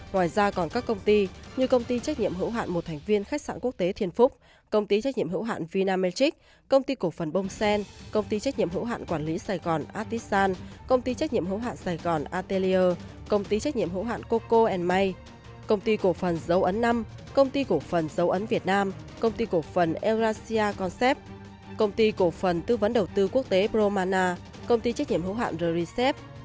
ngoài ra còn các công ty như công ty trách nhiệm hữu hạn một thành viên khách sạn quốc tế thiên phúc công ty trách nhiệm hữu hạn vinamagic công ty cổ phần bông sen công ty trách nhiệm hữu hạn quản lý sài gòn artisan công ty trách nhiệm hữu hạn sài gòn atelier công ty trách nhiệm hữu hạn coco may công ty cổ phần giấu ấn năm công ty cổ phần giấu ấn việt nam công ty cổ phần eurasia concept công ty cổ phần tư vấn đầu tư quốc tế promana công ty trách nhiệm hữu hạn the recep